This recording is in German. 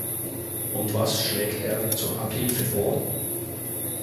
Und was schlägt er zur Abhilfe vor?